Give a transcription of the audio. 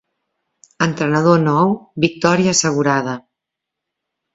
Entrenador nou, victòria assegurada.